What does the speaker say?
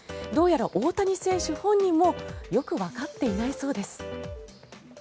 どうやら、大谷選手本人もよくわかっていないそうです。